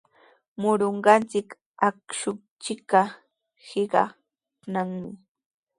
Murunqachik akshunchikqa hiqaykannami.